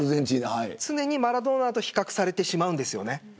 常にマラドーナと比較されてしまうんです。